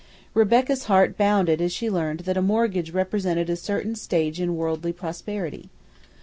Rebecca's heart bounded as she learned that a mortgage represented a certain stage in worldly prosperity.